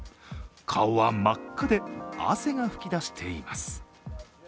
顔は真っ赤で汗が噴き出しています。